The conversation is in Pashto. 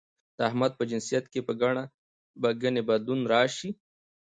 د احمد په جنسيت کې به ګنې بدلون راشي؟